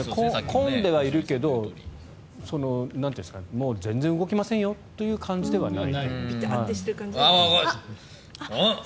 混んではいるけど全然動きませんよという感じではない。